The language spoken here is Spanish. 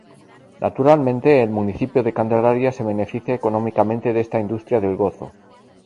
Naturalmente, el municipio de Candelaria se beneficia económicamente de esta industria del gozo.